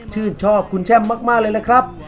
ชื่นชอบคุณแช่มมากเลยนะครับ